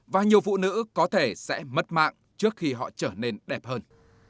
và nhiều phụ nữ có thể sẽ mất mạng trước khi họ trở nên đẹp hơn